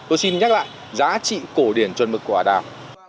tôi xin nhắc lại giá trị cổ điển chuẩn mực của ả đào